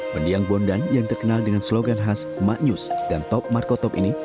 mendiang bondan yang terkenal dengan slogan khas maknyus dan top markotop ini